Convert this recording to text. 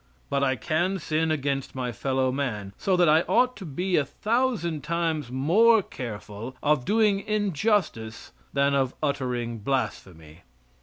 But I can sin against my fellow man, so that I ought to be a thousand times more careful of doing injustice than of uttering blasphemy.